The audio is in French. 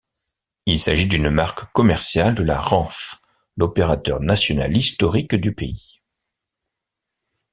Il s'agit d'une marque commerciale de la Renfe, l'opérateur national historique du pays.